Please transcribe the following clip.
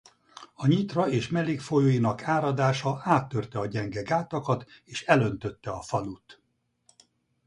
A Nyitra és mellékfolyóinak áradása áttörte a gyenge gátakat és elöntötte a falut.